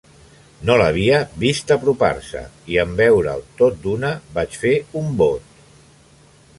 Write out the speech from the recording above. No l'havia vist apropar-se i en veure'l tot d'una vaig fer un bot.